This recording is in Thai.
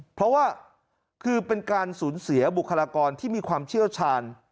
เพราะว่าคือเป็นการสูญเสียบุคลากรที่มีความเชี่ยวชาญ